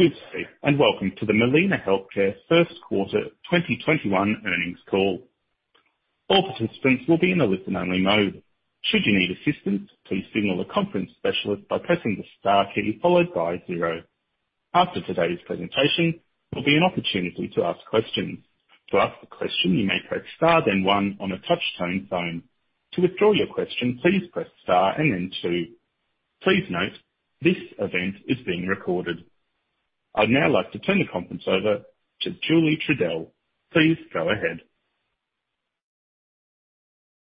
Good day. Welcome to the Molina Healthcare First Quarter 2021 earnings call. All participants should be in a listen-only mode, should you need assistance, please signal the conference specialist by pressing the star key followed by zero. After today's presentation, there's an opportunity to ask question. To ask a question you may press star then one on the touchtone phone, to withdraw your question, please press star and then two. Please note, this event is being recorded. I'd now like to turn the conference over to Julie Trudell. Please go ahead.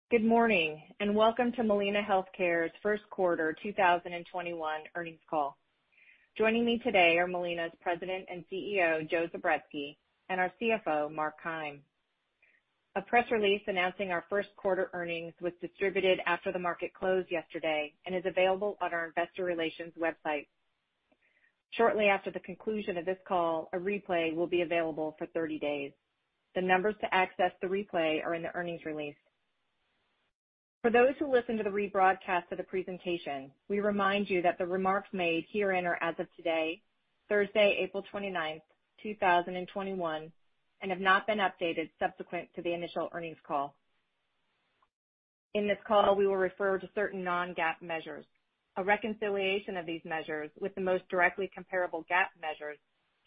Good morning, and welcome to Molina Healthcare's first quarter 2021 earnings call. Joining me today are Molina's President and CEO, Joe Zubretsky, and our CFO, Mark Keim. A press release announcing our first quarter earnings was distributed after the market closed yesterday and is available on our investor relations website. Shortly after the conclusion of this call, a replay will be available for 30 days. The numbers to access the replay are in the earnings release. For those who listen to the rebroadcast of the presentation, we remind you that the remarks made herein are as of today, Thursday, April 29th, 2021, and have not been updated subsequent to the initial earnings call. In this call, we will refer to certain non-GAAP measures. A reconciliation of these measures with the most directly comparable GAAP measures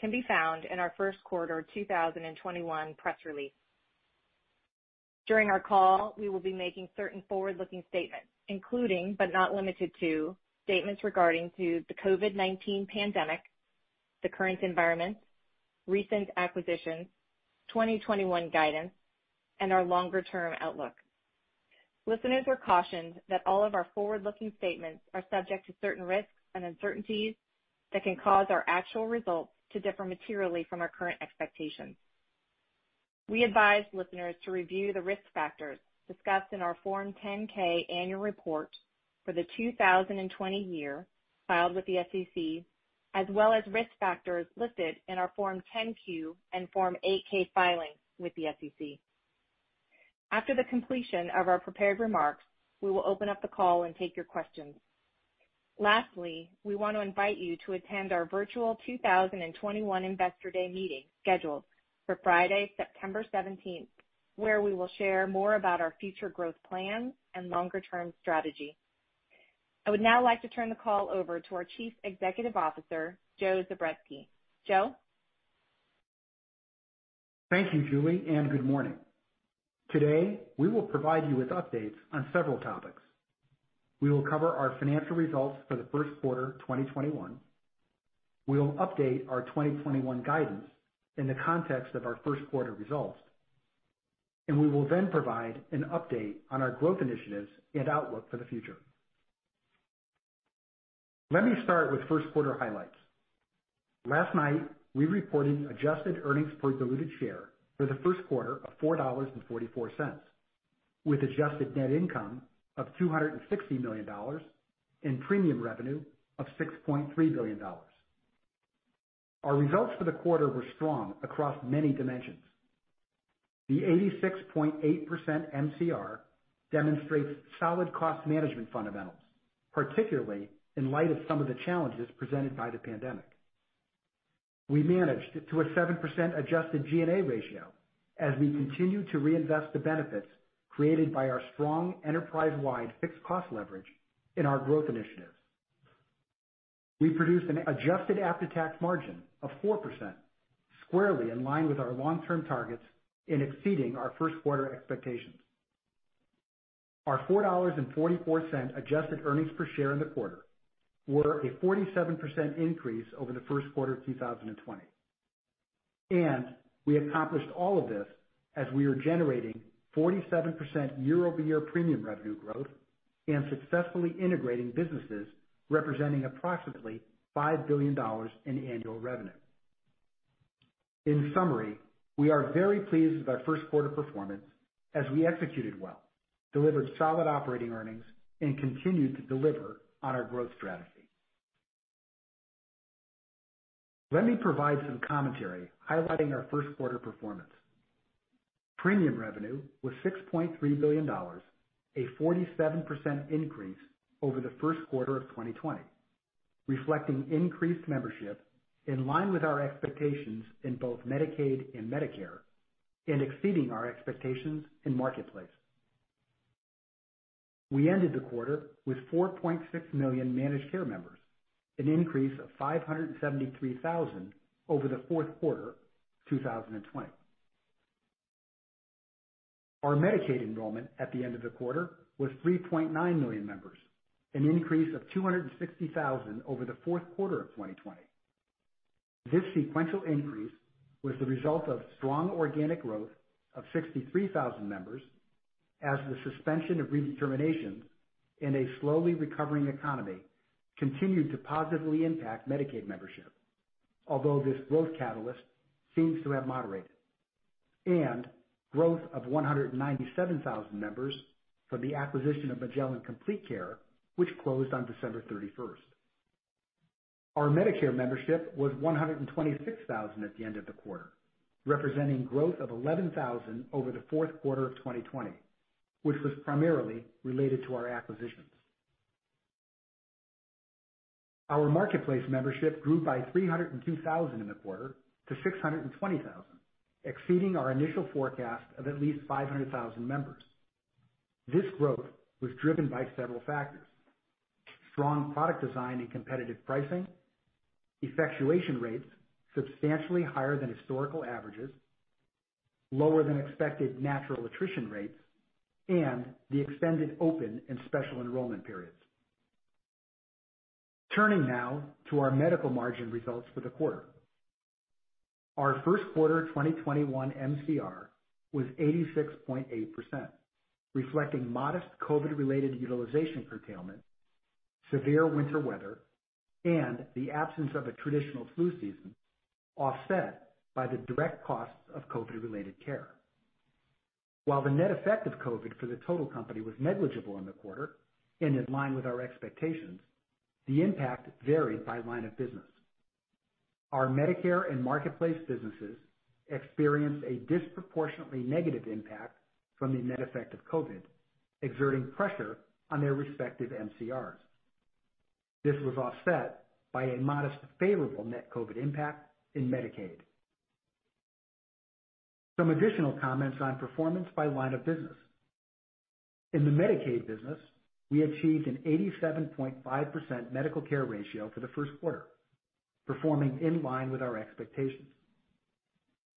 can be found in our first quarter 2021 press release. During our call, we will be making certain forward-looking statements, including, but not limited to, statements regarding to the COVID-19 pandemic, the current environment, recent acquisitions, 2021 guidance, and our longer-term outlook. Listeners are cautioned that all of our forward-looking statements are subject to certain risks and uncertainties that can cause our actual results to differ materially from our current expectations. We advise listeners to review the risk factors discussed in our Form 10-K annual report for the 2020 year filed with the SEC, as well as risk factors listed in our Form 10-Q and Form 8-K filings with the SEC. After the completion of our prepared remarks, we will open up the call and take your questions. Lastly, we want to invite you to attend our virtual 2021 Investor Day meeting scheduled for Friday, September 17th, where we will share more about our future growth plans and longer-term strategy. I would now like to turn the call over to our Chief Executive Officer, Joe Zubretsky. Joe? Thank you, Julie, and good morning. Today, we will provide you with updates on several topics. We will cover our financial results for the first quarter 2021. We will update our 2021 guidance in the context of our first quarter results. We will then provide an update on our growth initiatives and outlook for the future. Let me start with first quarter highlights. Last night, we reported adjusted earnings per diluted share for the first quarter of $4.44, with adjusted net income of $260 million and premium revenue of $6.3 billion. Our results for the quarter were strong across many dimensions. The 86.8% MCR demonstrates solid cost management fundamentals, particularly in light of some of the challenges presented by the pandemic. We managed to a 7% adjusted G&A ratio as we continue to reinvest the benefits created by our strong enterprise-wide fixed cost leverage in our growth initiatives. We produced an adjusted after-tax margin of 4%, squarely in line with our long-term targets in exceeding our first quarter expectations. Our $4.44 adjusted earnings per share in the quarter were a 47% increase over the first quarter of 2020. We accomplished all of this as we are generating 47% year-over-year premium revenue growth and successfully integrating businesses representing approximately $5 billion in annual revenue. In summary, we are very pleased with our first quarter performance as we executed well, delivered solid operating earnings, and continued to deliver on our growth strategy. Let me provide some commentary highlighting our first quarter performance. Premium revenue was $6.3 billion, a 47% increase over the first quarter of 2020, reflecting increased membership in line with our expectations in both Medicaid and Medicare, and exceeding our expectations in Marketplace. We ended the quarter with 4.6 million managed care members, an increase of 573,000 over the fourth quarter 2020. Our Medicaid enrollment at the end of the quarter was 3.9 million members, an increase of 260,000 over the fourth quarter of 2020. This sequential increase was the result of strong organic growth of 63,000 members as the suspension of redeterminations in a slowly recovering economy continued to positively impact Medicaid membership, although this growth catalyst seems to have moderated. Growth of 197,000 members for the acquisition of Magellan Complete Care, which closed on December 31st. Our Medicare membership was 126,000 at the end of the quarter, representing growth of 11,000 over the fourth quarter of 2020, which was primarily related to our acquisitions. Our Marketplace membership grew by 302,000 in the quarter to 620,000, exceeding our initial forecast of at least 500,000 members. This growth was driven by several factors. Strong product design and competitive pricing, effectuation rates substantially higher than historical averages, lower than expected natural attrition rates, and the extended open and special enrollment periods. Turning now to our medical margin results for the quarter. Our first quarter 2021 MCR was 86.8%, reflecting modest COVID-related utilization curtailment, severe winter weather, and the absence of a traditional flu season, offset by the direct costs of COVID-related care. While the net effect of COVID for the total company was negligible in the quarter, and in line with our expectations, the impact varied by line of business. Our Medicare and Marketplace businesses experienced a disproportionately negative impact from the net effect of COVID, exerting pressure on their respective MCRs. This was offset by a modest favorable net COVID impact in Medicaid. Some additional comments on performance by line of business. In the Medicaid business, we achieved an 87.5% medical care ratio for the first quarter, performing in line with our expectations.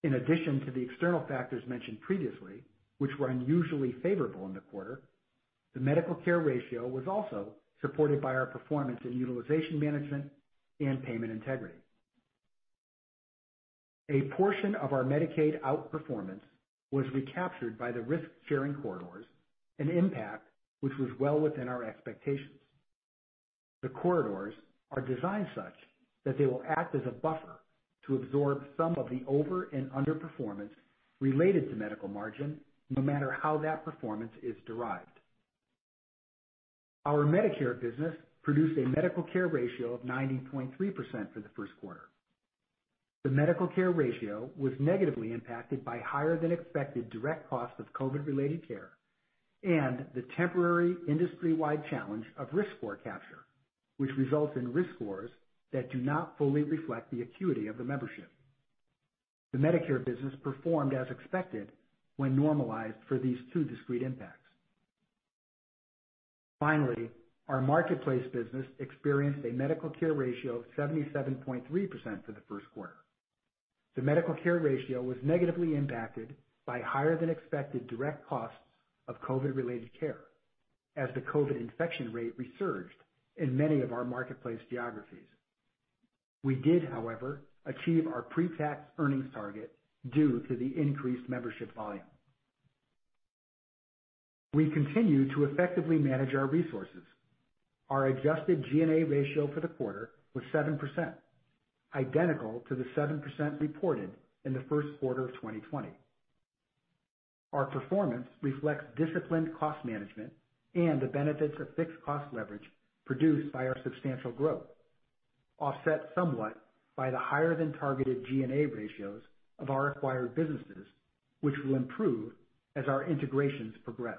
In addition to the external factors mentioned previously, which were unusually favorable in the quarter, the medical care ratio was also supported by our performance in utilization management and payment integrity. A portion of our Medicaid outperformance was recaptured by the risk-sharing corridors, an impact which was well within our expectations. The corridors are designed such that they will act as a buffer to absorb some of the over and underperformance related to medical margin, no matter how that performance is derived. Our Medicare business produced a medical care ratio of 90.3% for the first quarter. The medical care ratio was negatively impacted by higher-than-expected direct costs of COVID-related care and the temporary industry-wide challenge of risk score capture, which results in risk scores that do not fully reflect the acuity of the membership. The Medicare business performed as expected when normalized for these two discrete impacts. Finally, our Marketplace business experienced a medical care ratio of 77.3% for the first quarter. The medical care ratio was negatively impacted by higher-than-expected direct costs of COVID-related care, as the COVID infection rate resurged in many of our Marketplace geographies. We did, however, achieve our pre-tax earnings target due to the increased membership volume. We continue to effectively manage our resources. Our adjusted G&A ratio for the quarter was 7%, identical to the 7% reported in the first quarter of 2020. Our performance reflects disciplined cost management and the benefits of fixed cost leverage produced by our substantial growth, offset somewhat by the higher than targeted G&A ratios of our acquired businesses, which will improve as our integrations progress.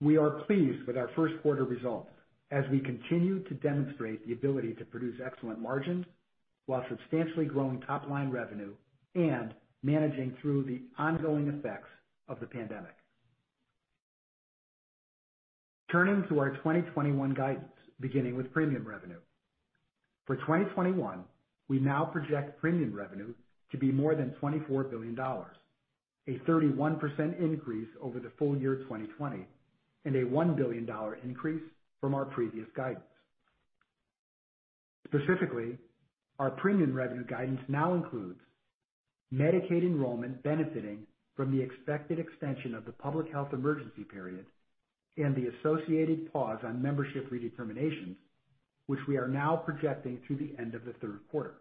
We are pleased with our first quarter results as we continue to demonstrate the ability to produce excellent margins while substantially growing top-line revenue and managing through the ongoing effects of the pandemic. Turning to our 2021 guidance, beginning with premium revenue. For 2021, we now project premium revenue to be more than $24 billion, a 31% increase over the full year 2020, and a $1 billion increase from our previous guidance. Specifically, our premium revenue guidance now includes Medicaid enrollment benefiting from the expected extension of the public health emergency period and the associated pause on membership redeterminations, which we are now projecting through the end of the third quarter.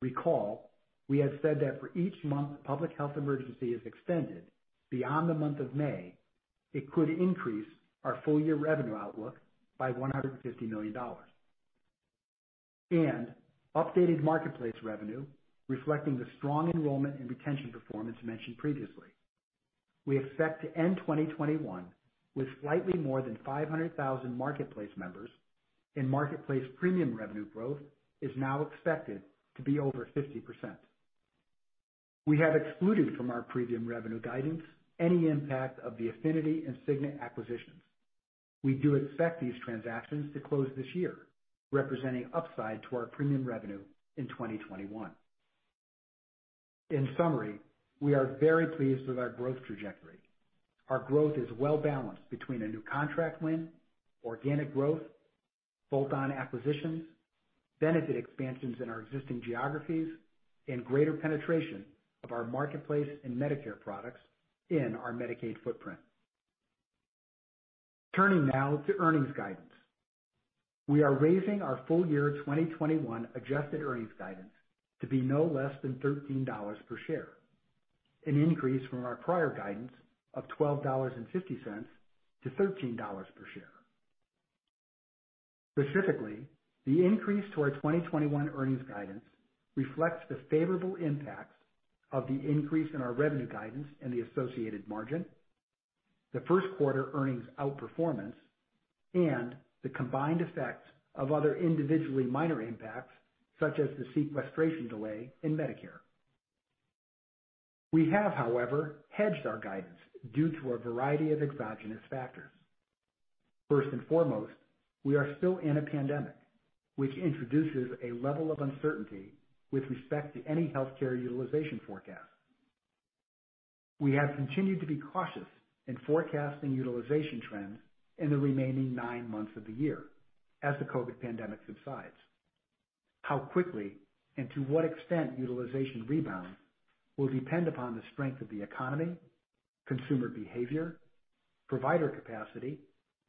Recall, we have said that for each month the public health emergency is extended beyond the month of May, it could increase our full-year revenue outlook by $150 million. Updated Marketplace revenue reflecting the strong enrollment and retention performance mentioned previously. We expect to end 2021 with slightly more than 500,000 Marketplace members, and Marketplace premium revenue growth is now expected to be over 50%. We have excluded from our premium revenue guidance any impact of the Affinity and Cigna acquisitions. We do expect these transactions to close this year, representing upside to our premium revenue in 2021. In summary, we are very pleased with our growth trajectory. Our growth is well-balanced between a new contract win, organic growth, bolt-on acquisitions, benefit expansions in our existing geographies, and greater penetration of our Marketplace and Medicare products in our Medicaid footprint. Turning now to earnings guidance. We are raising our full-year 2021 adjusted earnings guidance to be no less than $13 per share, an increase from our prior guidance of $12.50-$13 per share. Specifically, the increase to our 2021 earnings guidance reflects the favorable impact of the increase in our revenue guidance and the associated margin, the first quarter earnings outperformance, and the combined effect of other individually minor impacts, such as the sequestration delay in Medicare. We have, however, hedged our guidance due to a variety of exogenous factors. First and foremost, we are still in a pandemic, which introduces a level of uncertainty with respect to any healthcare utilization forecast. We have continued to be cautious in forecasting utilization trends in the remaining nine months of the year as the COVID pandemic subsides. How quickly and to what extent utilization rebounds will depend upon the strength of the economy, consumer behavior, provider capacity,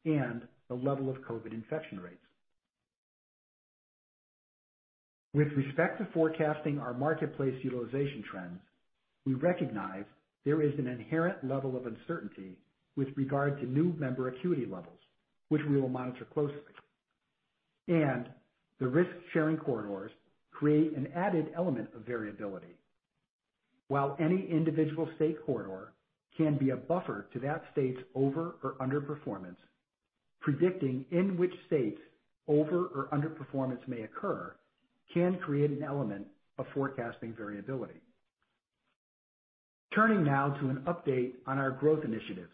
and the level of COVID infection rates. With respect to forecasting our Marketplace utilization trends, we recognize there is an inherent level of uncertainty with regard to new member acuity levels, which we will monitor closely. The risk-sharing corridors create an added element of variability. While any individual state corridor can be a buffer to that state's over or underperformance, predicting in which states over or underperformance may occur can create an element of forecasting variability. Turning now to an update on our growth initiatives.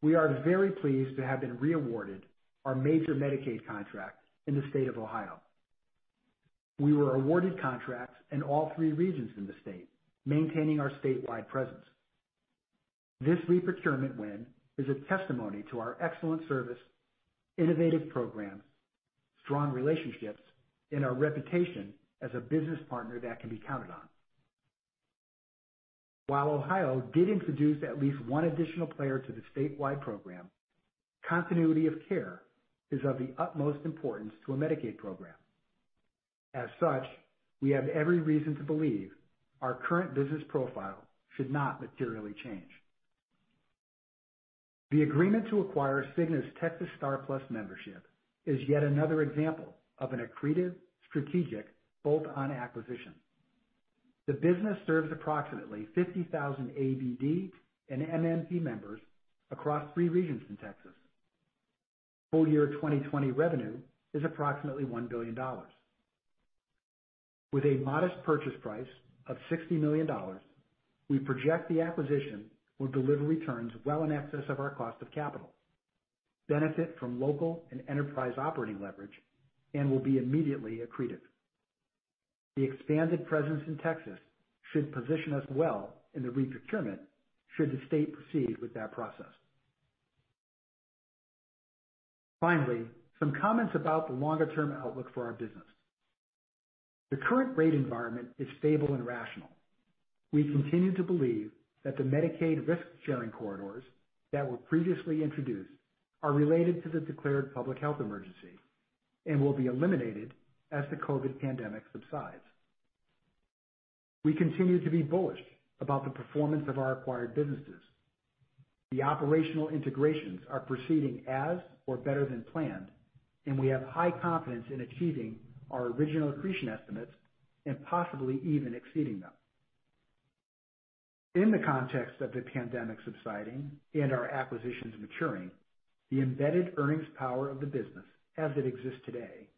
We are very pleased to have been re-awarded our major Medicaid contract in the state of Ohio. We were awarded contracts in all three regions in the state, maintaining our statewide presence. This re-procurement win is a testimony to our excellent service, innovative programs, strong relationships, and our reputation as a business partner that can be counted on. While Ohio did introduce at least one additional player to the statewide program, continuity of care is of the utmost importance to a Medicaid program. As such, we have every reason to believe our current business profile should not materially change. The agreement to acquire Cigna's STAR+PLUS membership is yet another example of an accretive, strategic, bolt-on acquisition. The business serves approximately 50,000 ABD and MMP members across three regions in Texas. Full year 2020 revenue is approximately $1 billion. With a modest purchase price of $60 million, we project the acquisition will deliver returns well in excess of our cost of capital, benefit from local and enterprise operating leverage, and will be immediately accretive. The expanded presence in Texas should position us well in the re-procurement should the state proceed with that process. Some comments about the longer-term outlook for our business. The current rate environment is stable and rational. We continue to believe that the Medicaid risk-sharing corridors that were previously introduced are related to the declared public health emergency and will be eliminated as the COVID-19 pandemic subsides. We continue to be bullish about the performance of our acquired businesses. The operational integrations are proceeding as or better than planned, and we have high confidence in achieving our original accretion estimates and possibly even exceeding them. In the context of the pandemic subsiding and our acquisitions maturing, the embedded earnings power of the business as it exists today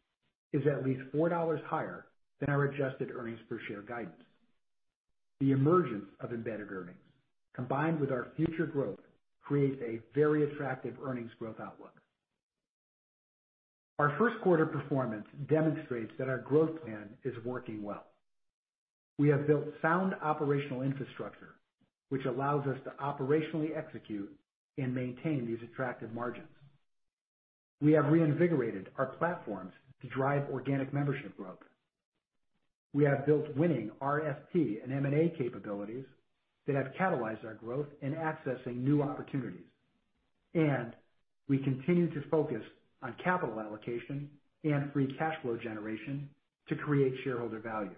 is at least $4 higher than our adjusted earnings per share guidance. The emergence of embedded earnings, combined with our future growth, creates a very attractive earnings growth outlook. Our first quarter performance demonstrates that our growth plan is working well. We have built sound operational infrastructure, which allows us to operationally execute and maintain these attractive margins. We have reinvigorated our platforms to drive organic membership growth. We have built winning RFP and M&A capabilities that have catalyzed our growth in accessing new opportunities. We continue to focus on capital allocation and free cash flow generation to create shareholder value.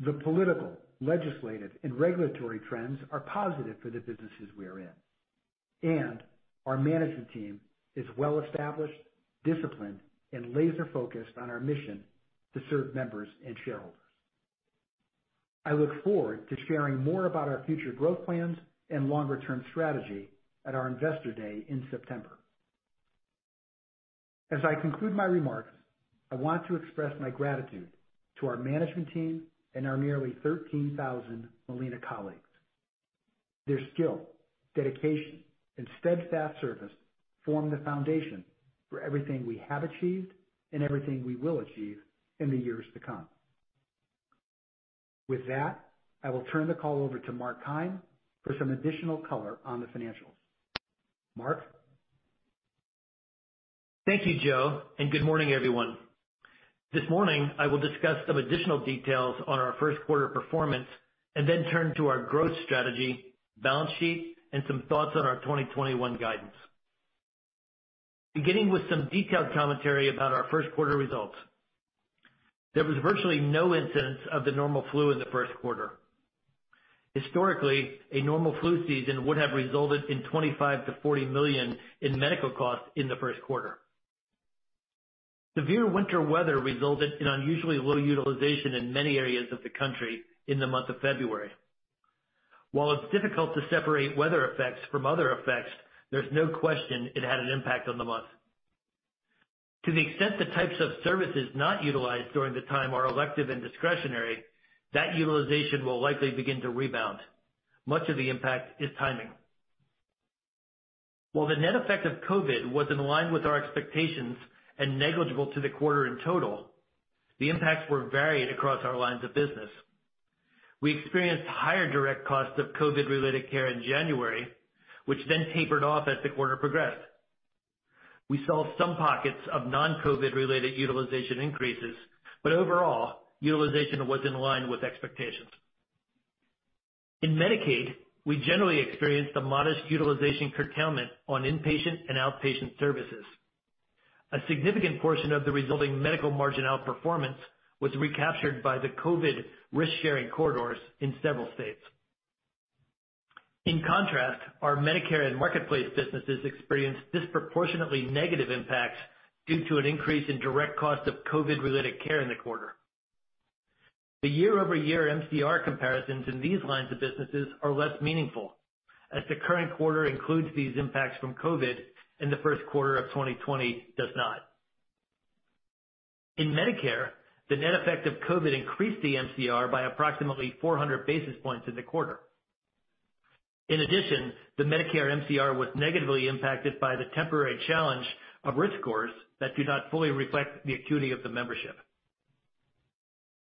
The political, legislative, and regulatory trends are positive for the businesses we are in, and our management team is well-established, disciplined, and laser-focused on our mission to serve members and shareholders. I look forward to sharing more about our future growth plans and longer-term strategy at our investor day in September. As I conclude my remarks, I want to express my gratitude to our management team and our nearly 13,000 Molina colleagues. Their skill, dedication, and steadfast service form the foundation for everything we have achieved and everything we will achieve in the years to come. With that, I will turn the call over to Mark Keim for some additional color on the financials. Mark? Thank you, Joe, and good morning, everyone. This morning, I will discuss some additional details on our first quarter performance and turn to our growth strategy, balance sheet, and some thoughts on our 2021 guidance. Beginning with some detailed commentary about our first quarter results. There was virtually no incidence of the normal flu in the first quarter. Historically, a normal flu season would have resulted in $25 million-$40 million in medical costs in the first quarter. Severe winter weather resulted in unusually low utilization in many areas of the country in the month of February. While it's difficult to separate weather effects from other effects, there's no question it had an impact on the month. To the extent the types of services not utilized during the time are elective and discretionary, that utilization will likely begin to rebound. Much of the impact is timing. While the net effect of COVID was in line with our expectations and negligible to the quarter in total, the impacts were varied across our lines of business. We experienced higher direct costs of COVID-related care in January, which then tapered off as the quarter progressed. We saw some pockets of non-COVID related utilization increases, but overall, utilization was in line with expectations. In Medicaid, we generally experienced a modest utilization curtailment on inpatient and outpatient services. A significant portion of the resulting medical margin outperformance was recaptured by the COVID risk-sharing corridors in several states. In contrast, our Medicare and Marketplace businesses experienced disproportionately negative impacts due to an increase in direct cost of COVID-related care in the quarter. The year-over-year MCR comparisons in these lines of businesses are less meaningful, as the current quarter includes these impacts from COVID and the first quarter of 2020 does not. In Medicare, the net effect of COVID increased the MCR by approximately 400 basis points in the quarter. In addition, the Medicare MCR was negatively impacted by the temporary challenge of risk scores that do not fully reflect the acuity of the membership.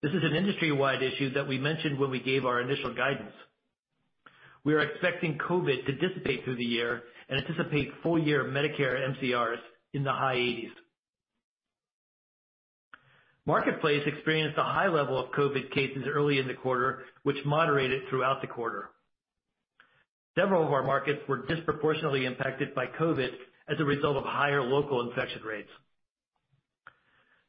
This is an industry-wide issue that we mentioned when we gave our initial guidance. We are expecting COVID to dissipate through the year and anticipate full year Medicare MCRs in the high 80s. Marketplace experienced a high level of COVID cases early in the quarter, which moderated throughout the quarter. Several of our markets were disproportionately impacted by COVID as a result of higher local infection rates.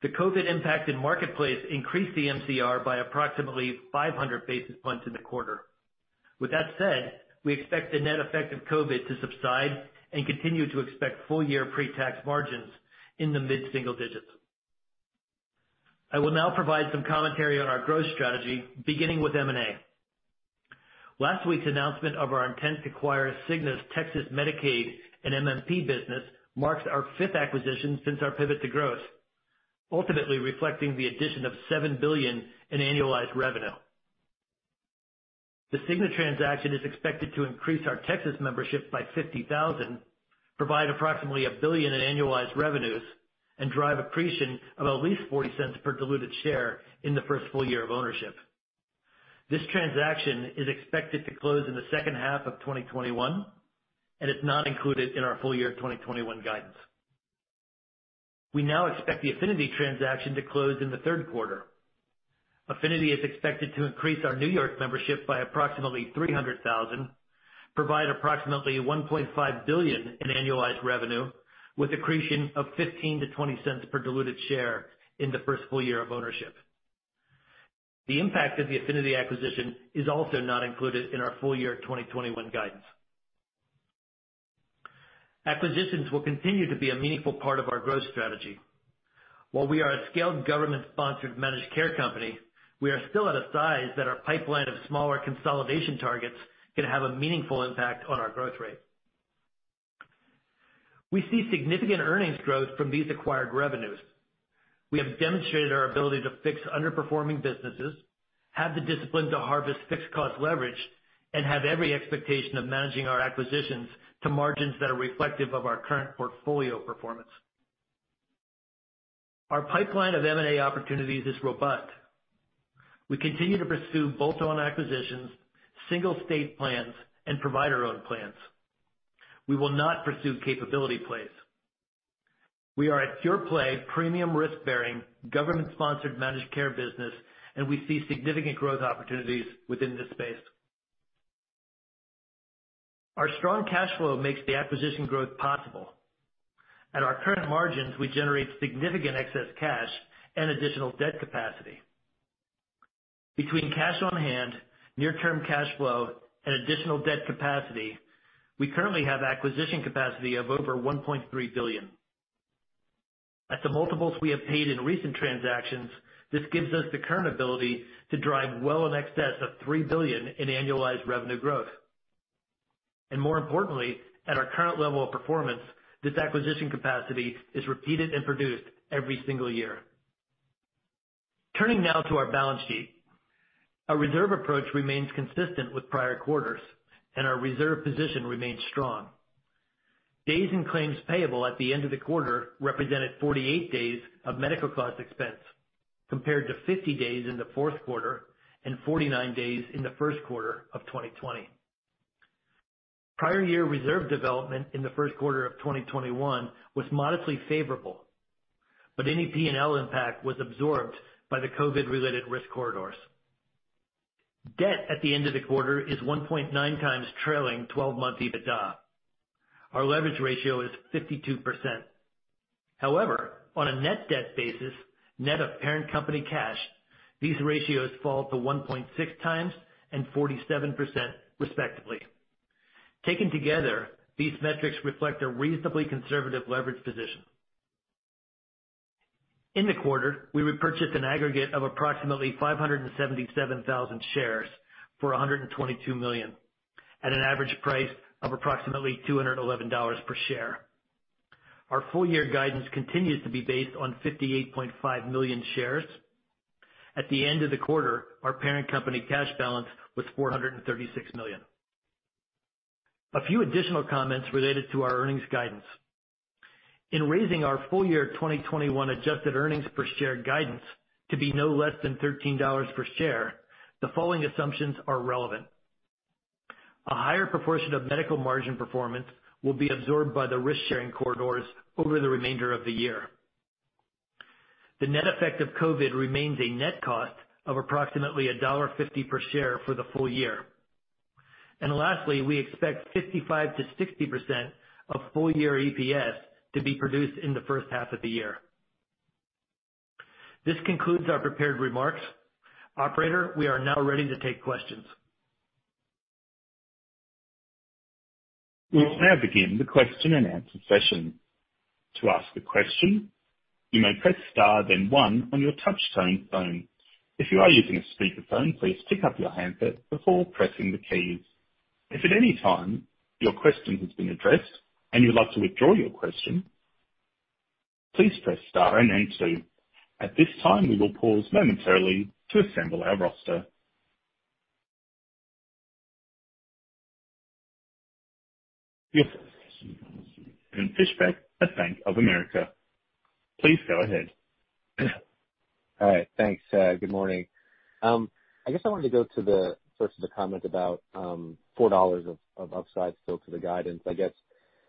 The COVID impact in Marketplace increased the MCR by approximately 500 basis points in the quarter. With that said, we expect the net effect of COVID to subside and continue to expect full year pre-tax margins in the mid-single digits. I will now provide some commentary on our growth strategy, beginning with M&A. Last week's announcement of our intent to acquire Cigna's Texas Medicaid and MMP business marks our fifth acquisition since our pivot to growth, ultimately reflecting the addition of $7 billion in annualized revenue. The Cigna transaction is expected to increase our Texas membership by 50,000, provide approximately $1 billion in annualized revenues, and drive accretion of at least $0.40 per diluted share in the first full year of ownership. This transaction is expected to close in the second half of 2021, it's not included in our full year 2021 guidance. We now expect the Affinity transaction to close in the third quarter. Affinity is expected to increase our New York membership by approximately 300,000, provide approximately $1.5 billion in annualized revenue, with accretion of $0.15-$0.20 per diluted share in the first full year of ownership. The impact of the Affinity acquisition is also not included in our full year 2021 guidance. Acquisitions will continue to be a meaningful part of our growth strategy. While we are a scaled government-sponsored managed care company, we are still at a size that our pipeline of smaller consolidation targets can have a meaningful impact on our growth rate. We see significant earnings growth from these acquired revenues. We have demonstrated our ability to fix underperforming businesses, have the discipline to harvest fixed cost leverage, and have every expectation of managing our acquisitions to margins that are reflective of our current portfolio performance. Our pipeline of M&A opportunities is robust. We continue to pursue bolt-on acquisitions, single state plans, and provider-owned plans. We will not pursue capability plays. We are a pure play, premium risk-bearing, government-sponsored managed care business, and we see significant growth opportunities within this space. Our strong cash flow makes the acquisition growth possible. At our current margins, we generate significant excess cash and additional debt capacity. Between cash on hand, near term cash flow, and additional debt capacity, we currently have acquisition capacity of over $1.3 billion. At the multiples we have paid in recent transactions, this gives us the current ability to drive well in excess of $3 billion in annualized revenue growth. More importantly, at our current level of performance, this acquisition capacity is repeated and produced every single year. Turning now to our balance sheet. Our reserve approach remains consistent with prior quarters, and our reserve position remains strong. Days in claims payable at the end of the quarter represented 48 days of medical cost expense, compared to 50 days in the fourth quarter, and 49 days in the first quarter of 2020. Prior year reserve development in the first quarter of 2021 was modestly favorable. Any P&L impact was absorbed by the COVID related risk corridors. Debt at the end of the quarter is 1.9x trailing 12-month EBITDA. Our leverage ratio is 52%. However, on a net debt basis, net of parent company cash, these ratios fall to 1.6x and 47%, respectively. Taken together, these metrics reflect a reasonably conservative leverage position. In the quarter, we repurchased an aggregate of approximately 577,000 shares for $122 million at an average price of approximately $211 per share. Our full year guidance continues to be based on 58.5 million shares. At the end of the quarter, our parent company cash balance was $436 million. A few additional comments related to our earnings guidance. In raising our full year 2021 adjusted earnings per share guidance to be no less than $13 per share, the following assumptions are relevant. A higher proportion of medical margin performance will be absorbed by the risk-sharing corridors over the remainder of the year. The net effect of COVID remains a net cost of approximately $1.50 per share for the full year. Lastly, we expect 55%-60% of full year EPS to be produced in the first half of the year. This concludes our prepared remarks. Operator, we are now ready to take questions. We will now begin the question-and-answer session. To ask a question, you may press star then one on your touchtone phone. If you are using a speaker phone, please pick up your handset before pressing the keys. If there's any time your question has been addressed and you'd love to withdraw your question, please press star and then two. At this time, we will pause momentarily to assemble our roster. We have from Fischbeck at Bank of America. Please go ahead. All right. Thanks. Good morning. I guess I wanted to go to the, first, the comment about $4 of upside still to the guidance. I guess,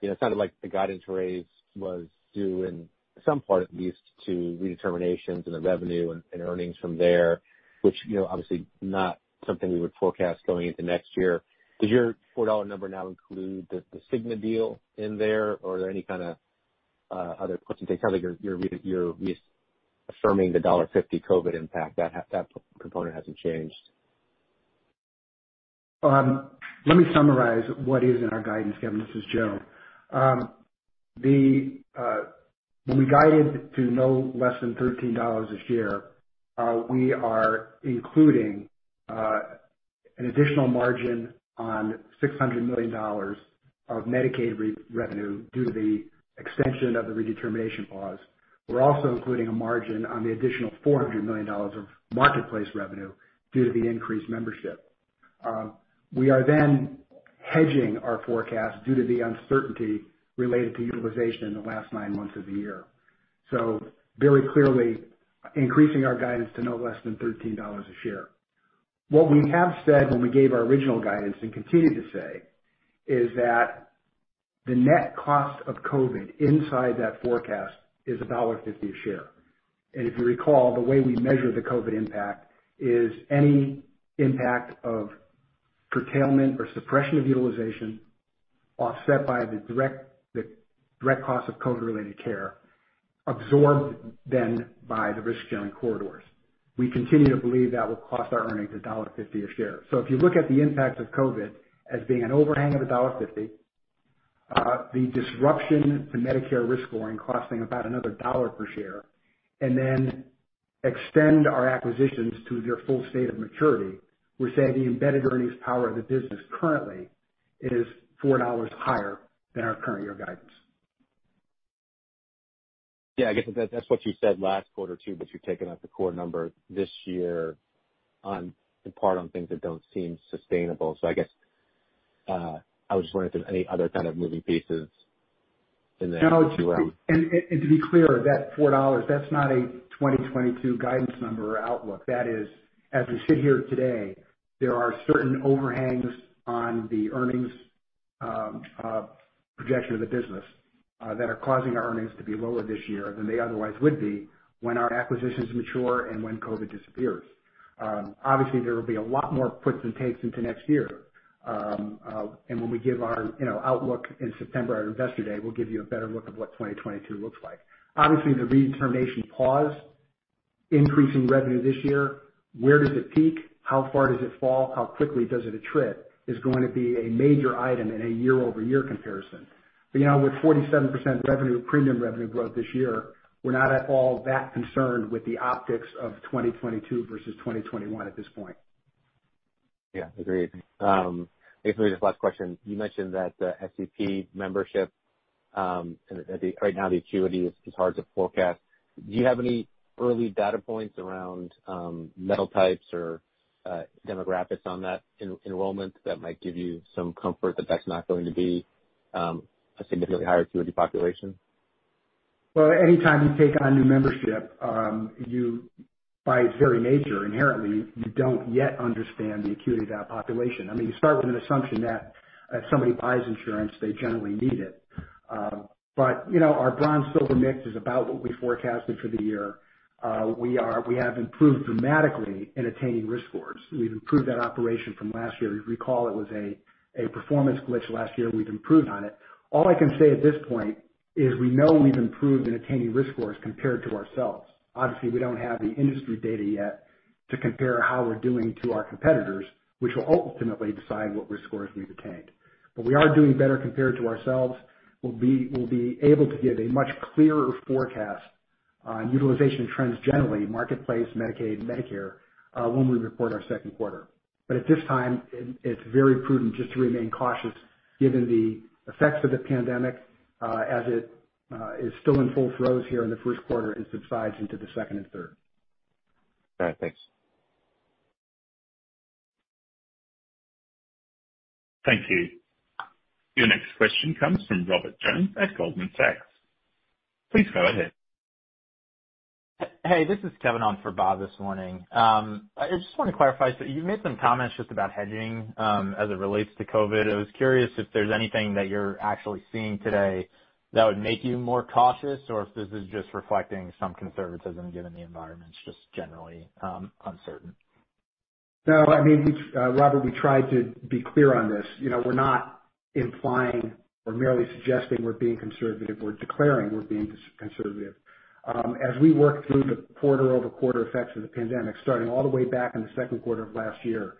it sounded like the guidance raise was due in some part, at least, to redeterminations in the revenue and earnings from there, which obviously not something we would forecast going into next year. Does your $4 number now include the Cigna deal in there, or are there any kind of other puts and takes other than you're reaffirming the $1.50 COVID impact, that component hasn't changed? Let me summarize what is in our guidance, Kevin. This is Joe. When we guided to no less than $13 this year, we are including an additional margin on $600 million of Medicaid revenue due to the extension of the redetermination pause. We're also including a margin on the additional $400 million of Marketplace revenue due to the increased membership. We are then hedging our forecast due to the uncertainty related to utilization in the last nine months of the year. Very clearly increasing our guidance to no less than $13 a share. What we have said when we gave our original guidance, and continue to say, is that the net cost of COVID inside that forecast is $1.50 a share. If you recall, the way we measure the COVID impact is any impact of curtailment or suppression of utilization offset by the direct cost of COVID related care absorbed then by the risk sharing corridors. We continue to believe that will cost our earnings $1.50 a share. If you look at the impact of COVID as being an overhang of $1.50, the disruption to Medicare risk scoring costing about another dollar per share, and then extend our acquisitions to their full state of maturity, we're saying the embedded earnings power of the business currently is $4 higher than our current year guidance. I guess that's what you said last quarter, too, but you've taken out the core number this year in part on things that don't seem sustainable. I guess, I was just wondering if there's any other kind of moving pieces. No. To be clear, that $4, that's not a 2022 guidance number or outlook. That is, as we sit here today, there are certain overhangs on the earnings projection of the business that are causing our earnings to be lower this year than they otherwise would be when our acquisitions mature and when COVID disappears. Obviously, there will be a lot more puts and takes into next year. When we give our outlook in September at our Investor Day, we'll give you a better look of what 2022 looks like. Obviously, the redetermination pause, increasing revenue this year, where does it peak? How far does it fall? How quickly does it attrit, is going to be a major item in a year-over-year comparison. With 47% revenue, premium revenue growth this year, we're not at all that concerned with the optics of 2022 versus 2021 at this point. Yeah, agreed. Maybe just last question. You mentioned that SEP membership, right now the acuity is hard to forecast. Do you have any early data points around metal types or demographics on that enrollment that might give you some comfort that that's not going to be a significantly higher acuity population? Well, anytime you take on new membership, by its very nature, inherently, you don't yet understand the acuity of that population. You start with an assumption that if somebody buys insurance, they generally need it. Our Bronze Silver mix is about what we forecasted for the year. We have improved dramatically in attaining risk scores. We've improved that operation from last year. If you recall, it was a performance glitch last year. We've improved on it. All I can say at this point is we know we've improved in attaining risk scores compared to ourselves. Obviously, we don't have the industry data yet to compare how we're doing to our competitors, which will ultimately decide what risk scores we've attained. We are doing better compared to ourselves. We'll be able to give a much clearer forecast on utilization trends generally, Marketplace, Medicaid, Medicare, when we report our second quarter. At this time, it's very prudent just to remain cautious given the effects of the pandemic, as it is still in full throes here in the first quarter and subsides into the second and third. All right. Thanks. Thank you. Your next question comes from Robert Jones at Goldman Sachs. Please go ahead. Hey, this is Kevin on for Bob this morning. I just want to clarify, you made some comments just about hedging, as it relates to COVID. I was curious if there's anything that you're actually seeing today that would make you more cautious, or if this is just reflecting some conservatism given the environment's just generally uncertain. No, I mean, Robert, we tried to be clear on this. We're not implying or merely suggesting we're being conservative. We're declaring we're being conservative. As we work through the quarter-over-quarter effects of the pandemic, starting all the way back in the second quarter of last year,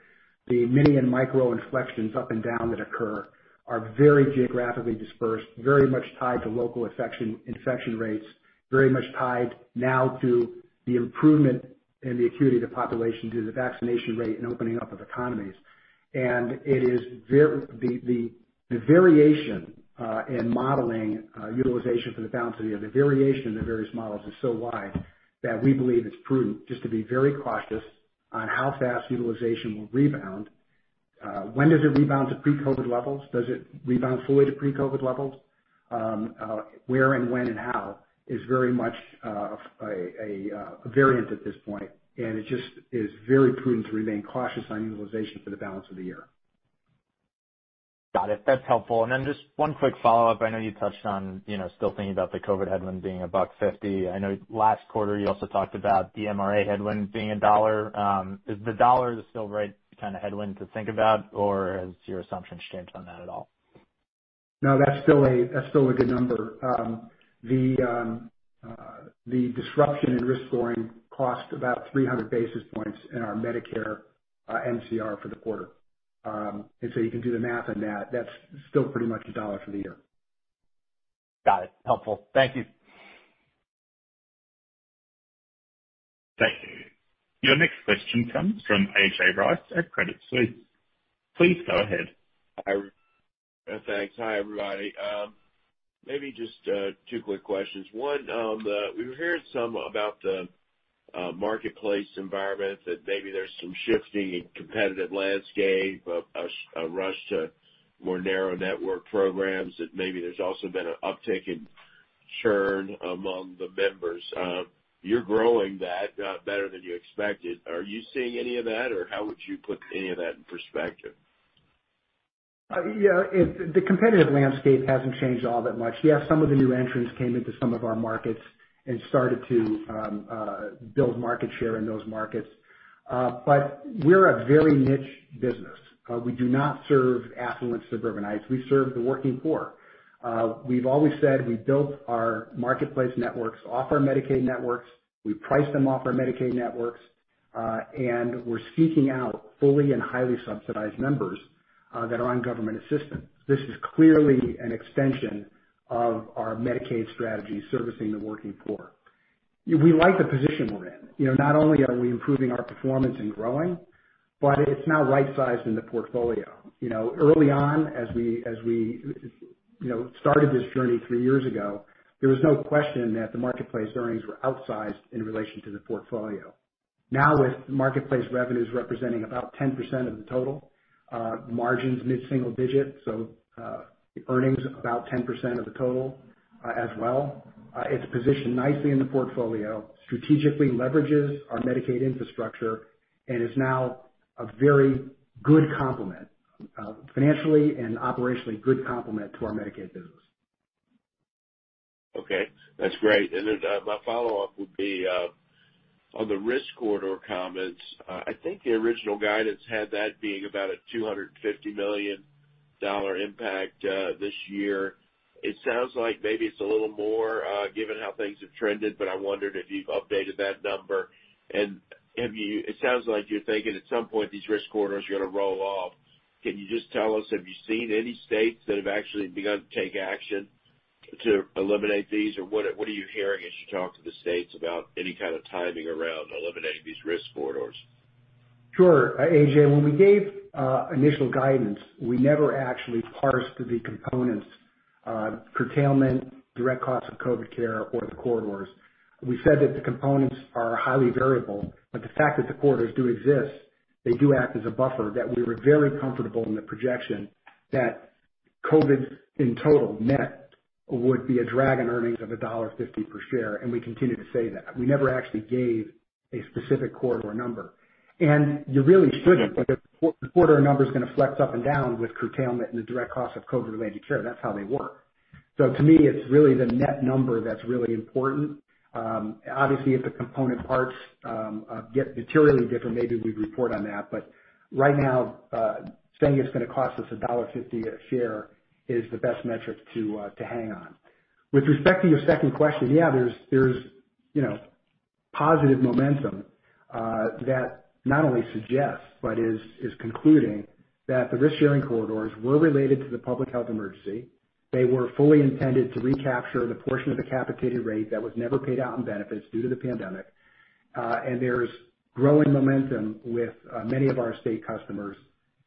the mini and micro inflections up and down that occur are very geographically dispersed, very much tied to local infection rates, very much tied now to the improvement in the acuity of the population due to the vaccination rate and opening up of economies. The variation in modeling utilization for the balance of the year, the variation in the various models is so wide that we believe it's prudent just to be very cautious on how fast utilization will rebound. When does it rebound to pre-COVID levels? Does it rebound fully to pre-COVID levels? Where and when and how is very much a variant at this point, and it just is very prudent to remain cautious on utilization for the balance of the year. Got it. That's helpful. Just one quick follow-up. I know you touched on still thinking about the COVID headwind being $1.50. I know last quarter you also talked about the MRA headwind being $1.00. Is the $1.00 the still right kind of headwind to think about, or has your assumption changed on that at all? No, that's still a good number. The disruption in risk scoring cost about 300 basis points in our Medicare MCR for the quarter. You can do the math on that. That's still pretty much $1 for the year. Got it. Helpful. Thank you. Thank you. Your next question comes from A.J. Rice at Credit Suisse. Please go ahead. Thanks. Hi, everybody. Maybe just two quick questions. One, we were hearing some about the Marketplace environment, that maybe there's some shifting in competitive landscape, a rush to more narrow network programs, that maybe there's also been an uptick in churn among the members. You're growing that better than you expected. Are you seeing any of that, or how would you put any of that in perspective? Yeah. The competitive landscape hasn't changed all that much. Yes, some of the new entrants came into some of our markets and started to build market share in those markets. We're a very niche business. We do not serve affluent suburbanites. We serve the working poor. We've always said we built our Marketplace networks off our Medicaid networks. We price them off our Medicaid networks. We're seeking out fully and highly subsidized members that are on government assistance. This is clearly an extension of our Medicaid strategy servicing the working poor. We like the position we're in. Not only are we improving our performance and growing, but it's now right-sized in the portfolio. Early on, as we started this journey three years ago, there was no question that the Marketplace earnings were outsized in relation to the portfolio. Now, with marketplace revenues representing about 10% of the total, margins mid-single digit, so earnings about 10% of the total as well. It's positioned nicely in the portfolio, strategically leverages our Medicaid infrastructure, and is now a very good complement, financially and operationally good complement to our Medicaid business. Okay. That's great. My follow-up would be on the risk corridor comments. I think the original guidance had that being about a $250 million impact this year. It sounds like maybe it's a little more, given how things have trended, but I wondered if you've updated that number. It sounds like you're thinking at some point these risk corridors are going to roll off. Can you just tell us, have you seen any states that have actually begun to take action to eliminate these? What are you hearing as you talk to the states about any kind of timing around eliminating these risk corridors? Sure. A.J., when we gave initial guidance, we never actually parsed the components, curtailment, direct cost of COVID care, or the corridors. We said that the components are highly variable, but the fact that the corridors do exist, they do act as a buffer, that we were very comfortable in the projection that COVID, in total, net, would be a drag in earnings of $1.50 per share, and we continue to say that. We never actually gave a specific corridor number. You really shouldn't, because the corridor number's going to flex up and down with curtailment and the direct cost of COVID-related care. That's how they work. To me, it's really the net number that's really important. Obviously, if the component parts get materially different, maybe we'd report on that. Right now, saying it's going to cost us $1.50 a share is the best metric to hang on. With respect to your second question, yeah, there's positive momentum that not only suggests but is concluding that the risk-sharing corridors were related to the public health emergency. They were fully intended to recapture the portion of the capitated rate that was never paid out in benefits due to the pandemic. There's growing momentum with many of our state customers,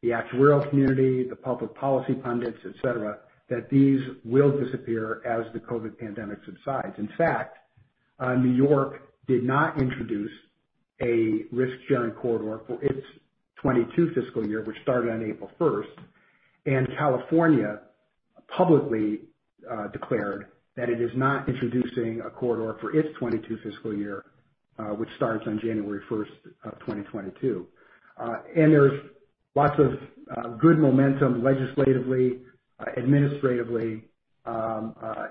the actuarial community, the public policy pundits, et cetera, that these will disappear as the COVID pandemic subsides. In fact, New York did not introduce a risk-sharing corridor for its FY 2022, which started on April 1st, and California publicly declared that it is not introducing a corridor for its FY 2022, which starts on January 1st, 2022. There's lots of good momentum legislatively, administratively,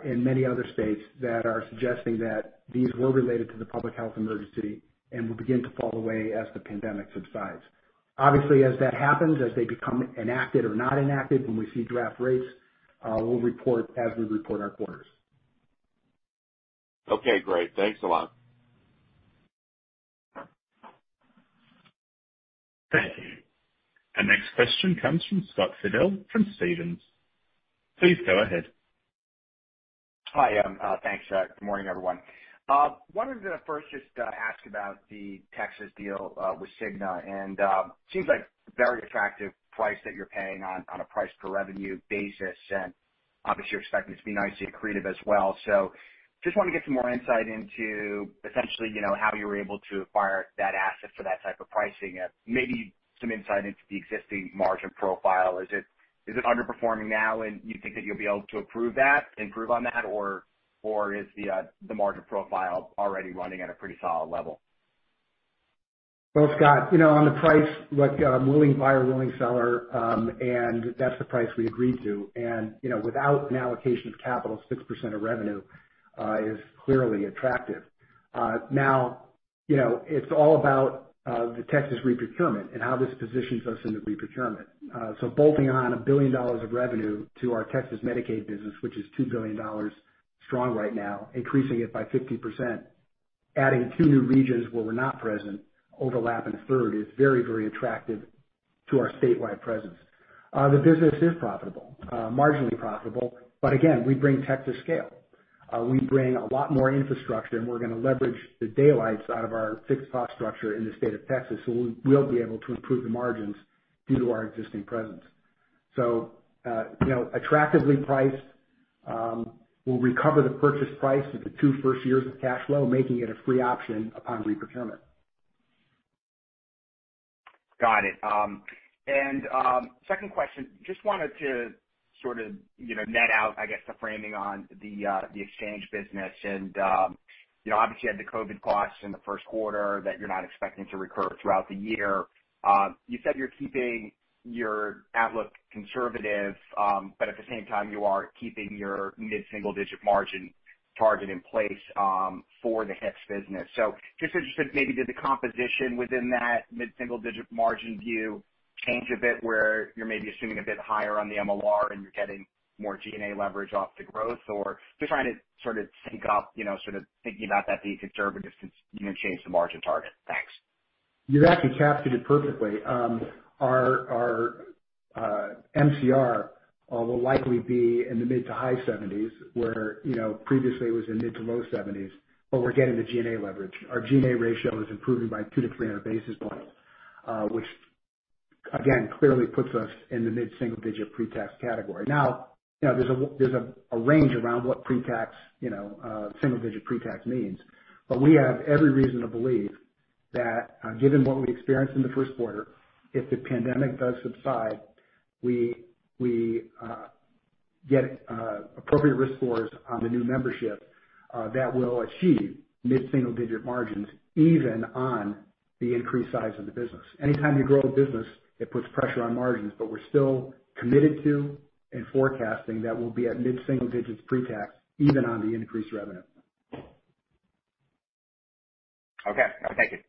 in many other states that are suggesting that these were related to the public health emergency and will begin to fall away as the pandemic subsides. Obviously, as that happens, as they become enacted or not enacted, when we see draft rates, we'll report as we report our quarters. Okay, great. Thanks a lot. Thank you. Our next question comes from Scott Fidel from Stephens. Please go ahead. Hi. Thanks. Good morning, everyone. Wanted to first just ask about the Texas deal with Cigna. Seems like very attractive price that you're paying on a price per revenue basis. Obviously you're expecting it to be nicely accretive as well. Just want to get some more insight into essentially how you were able to acquire that asset for that type of pricing and maybe some insight into the existing margin profile. Is it underperforming now and you think that you'll be able to improve on that? Is the margin profile already running at a pretty solid level? Well, Scott, on the price, look, willing buyer, willing seller, that's the price we agreed to. Without an allocation of capital, 6% of revenue is clearly attractive. Now, it's all about the Texas reprocurement and how this positions us in the reprocurement. Bolting on $1 billion of revenue to our Texas Medicaid business, which is $2 billion strong right now, increasing it by 50%, adding two new regions where we're not present, overlap in a third, is very attractive to our statewide presence. The business is profitable, marginally profitable, again, we bring Texas scale. We bring a lot more infrastructure, we're going to leverage the daylights out of our fixed cost structure in the state of Texas. We'll be able to improve the margins due to our existing presence. Attractively priced. We'll recover the purchase price of the two first years of cash flow, making it a free option upon reprocurement. Got it. Second question, just wanted to sort of net out, I guess, the framing on the exchange business? Obviously you had the COVID costs in the first quarter that you're not expecting to recur throughout the year. You said you're keeping your outlook conservative, but at the same time, you are keeping your mid-single-digit margin target in place for the HIX business. Just interested maybe, did the composition within that mid-single-digit margin view change a bit where you're maybe assuming a bit higher on the MLR and you're getting more G&A leverage off the growth? Just trying to sort of sync up, sort of thinking about that being conservative since you changed the margin target. Thanks. You actually captured it perfectly. Our MCR will likely be in the mid to high 70s, where previously it was in mid to low 70s, but we're getting the G&A leverage. Our G&A ratio is improving by 200-300 basis points, which again, clearly puts us in the mid-single-digit pre-tax category. There's a range around what pre-tax, single-digit pre-tax means. We have every reason to believe that given what we experienced in the first quarter, if the pandemic does subside, we get appropriate risk scores on the new membership that will achieve mid-single-digit margins, even on the increased size of the business. Anytime you grow a business, it puts pressure on margins. We're still committed to and forecasting that we'll be at mid-single-digits pre-tax even on the increased revenue. Okay. Thank you.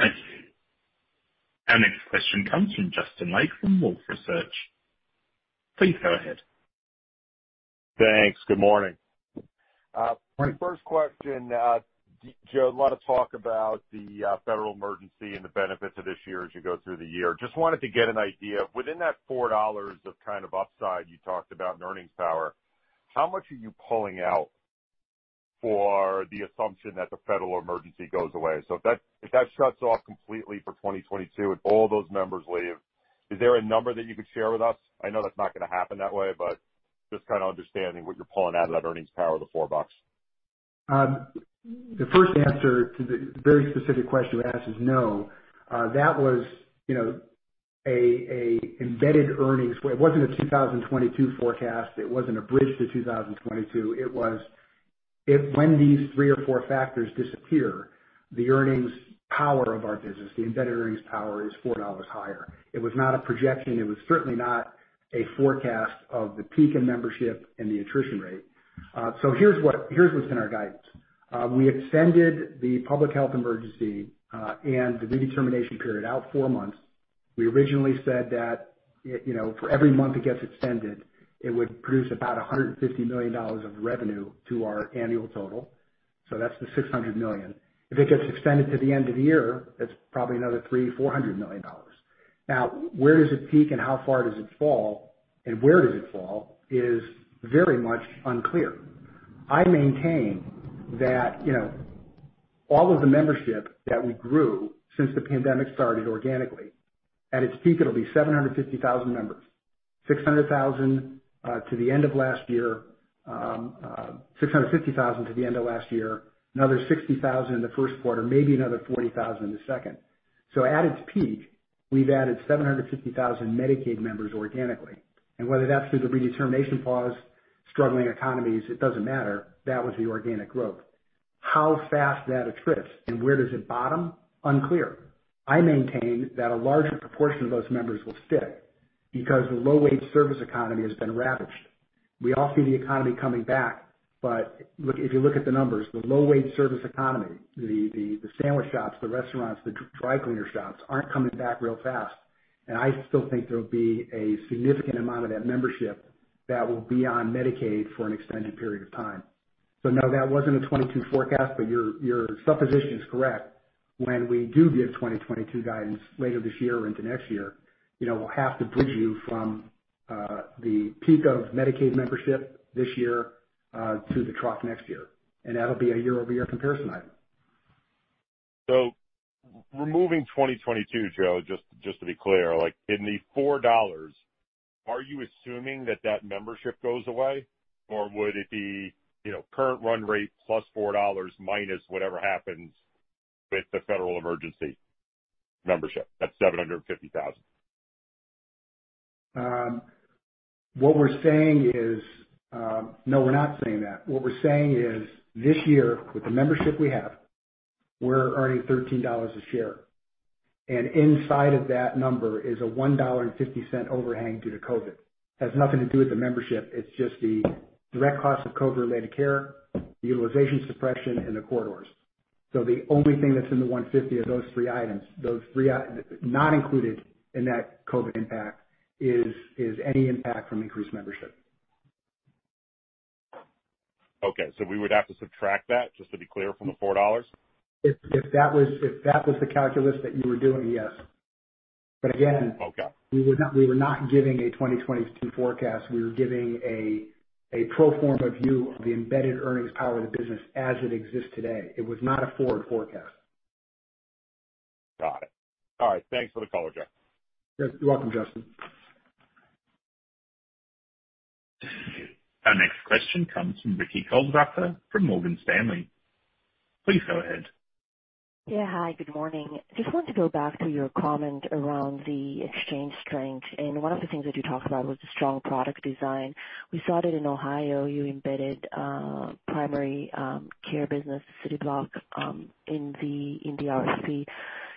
Thank you. Our next question comes from Justin Lake from Wolfe Research. Please go ahead. Thanks. Good morning. Morning. First question. Joe, a lot of talk about the Federal Emergency and the benefits of this year as you go through the year. Just wanted to get an idea. Within that $4 of kind of upside you talked about in earnings power, how much are you pulling out for the assumption that the Federal Emergency goes away? If that shuts off completely for 2022 and all those members leave, is there a number that you could share with us? I know that's not going to happen that way, but just kind of understanding what you're pulling out of that earnings power of the $4. The first answer to the very specific question you asked is no. That was an embedded earnings. It wasn't a 2022 forecast. It wasn't a bridge to 2022. If when these three or four factors disappear, the earnings power of our business, the embedded earnings power is $4 higher. It was not a projection, it was certainly not a forecast of the peak in membership and the attrition rate. Here's what's in our guidance. We extended the public health emergency, and the redetermination period out four months. We originally said that for every month it gets extended, it would produce about $150 million of revenue to our annual total. That's the $600 million. If it gets extended to the end of the year, that's probably another $300 million or $400 million. Where does it peak and how far does it fall, and where does it fall is very much unclear. I maintain that all of the membership that we grew since the pandemic started organically, at its peak, it'll be 750,000 members. 650,000 to the end of last year, another 60,000 in the first quarter, maybe another 40,000 in the second. At its peak, we've added 750,000 Medicaid members organically. Whether that's through the redetermination pause, struggling economies, it doesn't matter. That was the organic growth. How fast that attrits and where does it bottom? Unclear. I maintain that a larger proportion of those members will stick because the low-wage service economy has been ravaged. We all see the economy coming back, if you look at the numbers, the low-wage service economy, the sandwich shops, the restaurants, the dry cleaner shops, aren't coming back real fast. I still think there'll be a significant amount of that membership that will be on Medicaid for an extended period of time. No, that wasn't a 2022 forecast, but your supposition is correct. When we do give 2022 guidance later this year into next year, we'll have to bridge you from the peak of Medicaid membership this year, to the trough next year. That'll be a year-over-year comparison item. Removing 2022, Joe, just to be clear, in the $4, are you assuming that that membership goes away or would it be current run rate plus $4 minus whatever happens with the federal emergency membership at 750,000? What we're saying is no, we're not saying that. What we're saying is this year, with the membership we have, we're earning $13 a share. Inside of that number is a $1.50 overhang due to COVID. It has nothing to do with the membership. It's just the direct cost of COVID-related care, utilization suppression, and the corridors. The only thing that's in the $1.50 are those three items. Not included in that COVID impact is any impact from increased membership. Okay. We would have to subtract that, just to be clear, from the $4? If that was the calculus that you were doing, yes. Okay. We were not giving a 2022 forecast. We were giving a pro forma view of the embedded earnings power of the business as it exists today. It was not a forward forecast. Got it. All right. Thanks for the color, Joe. You're welcome, Justin. Our next question comes from Ricky Goldwasser from Morgan Stanley. Please go ahead. Yeah. Hi, good morning. Just want to go back to your comment around the exchange strength. One of the things that you talked about was the strong product design. We saw that in Ohio, you embedded primary care business, Cityblock, in the RFP.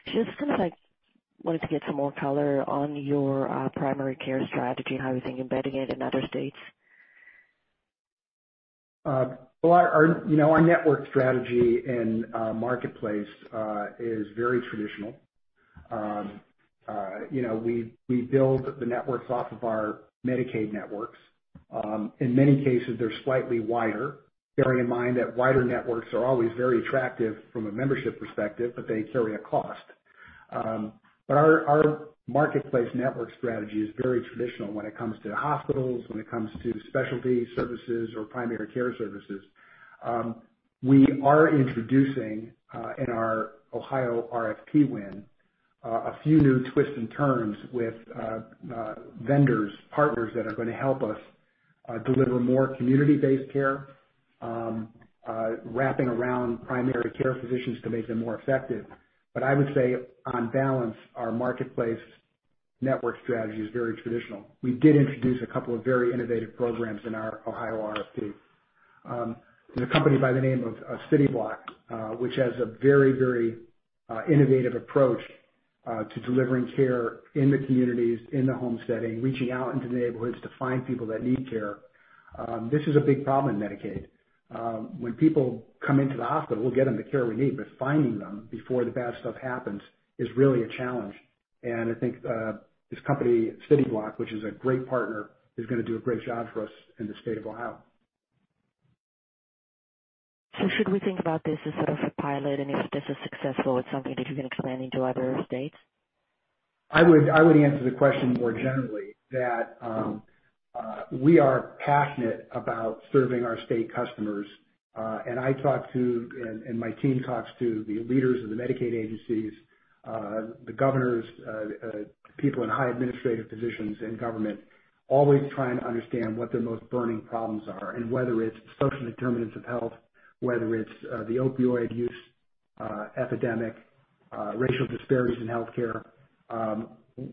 Just kind of like wanted to get some more color on your primary care strategy and how you think embedding it in other states? Our network strategy in Marketplace is very traditional. We build the networks off of our Medicaid networks. In many cases, they're slightly wider, bearing in mind that wider networks are always very attractive from a membership perspective, but they carry a cost. Our Marketplace network strategy is very traditional when it comes to hospitals, when it comes to specialty services or primary care services. We are introducing, in our Ohio RFP win, a few new twists and turns with vendors, partners that are going to help us deliver more community-based care, wrapping around primary care physicians to make them more effective. I would say on balance, our Marketplace network strategy is very traditional. We did introduce a couple of very innovative programs in our Ohio RFP, and a company by the name of Cityblock, which has a very innovative approach to delivering care in the communities, in the home setting, reaching out into neighborhoods to find people that need care. This is a big problem in Medicaid. When people come into the hospital, we'll get them the care we need, but finding them before the bad stuff happens is really a challenge. I think, this company, Cityblock, which is a great partner, is going to do a great job for us in the state of Ohio. Should we think about this as sort of a pilot, and if this is successful, it's something that you can expand into other states? I would answer the question more generally that we are passionate about serving our state customers. I talk to, and my team talks to the leaders of the Medicaid agencies, the governors, people in high administrative positions in government, always trying to understand what their most burning problems are, and whether it's social determinants of health, whether it's the opioid use epidemic, racial disparities in healthcare,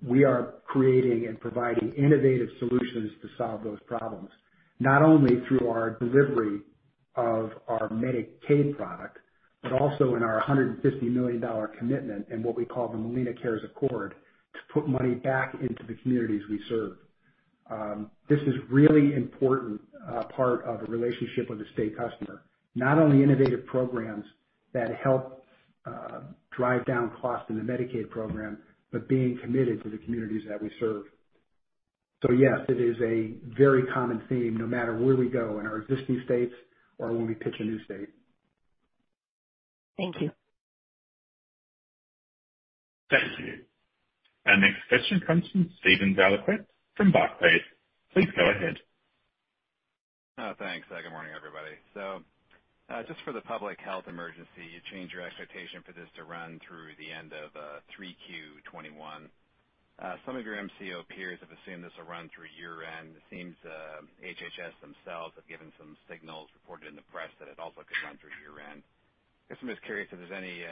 we are creating and providing innovative solutions to solve those problems. Not only through our delivery of our Medicaid product, but also in our $150 million commitment in what we call The MolinaCares Accord, to put money back into the communities we serve. This is really important part of a relationship with a state customer. Not only innovative programs that help drive down costs in the Medicaid program, but being committed to the communities that we serve. Yes, it is a very common theme, no matter where we go in our existing states or when we pitch a new state. Thank you. Thank you. Our next question comes from Steven Valiquette from Barclays. Please go ahead. Oh, thanks. Good morning, everybody. Just for the public health emergency, you changed your expectation for this to run through the end of 3Q 2021. Some of your MCO peers have assumed this will run through year-end. It seems HHS themselves have given some signals reported in the press that it also could run through year-end. I guess I'm just curious if there's any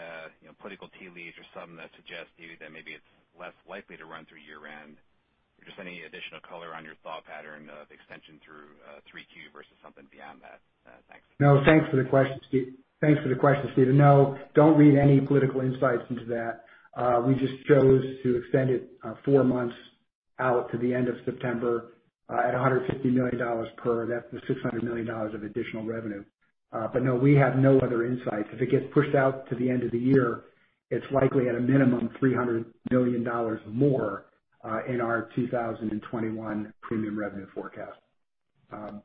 political tea leaves or something that suggests to you that maybe it's less likely to run through year-end. Just any additional color on your thought pattern of extension through 3Q versus something beyond that. Thanks. No. Thanks for the question, Steven. No, don't read any political insights into that. We just chose to extend it four months out to the end of September, at $150 million per. That's the $600 million of additional revenue. No, we have no other insights. If it gets pushed out to the end of the year, it's likely at a minimum $300 million more in our 2021 premium revenue forecast. No